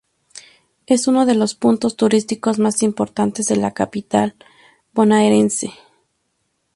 Es uno de los puntos turísticos más importantes de la capital bonaerense.